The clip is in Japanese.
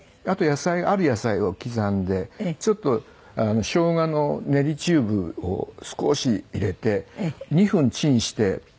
あと野菜ある野菜を刻んでちょっとしょうがの練りチューブを少し入れて２分チンして。